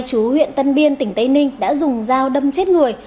chú huyện tân biên tỉnh tây ninh đã dùng dao đâm chết người